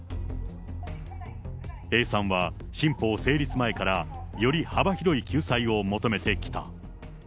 Ａさんは新法成立前からより幅広い救済を求めてきた。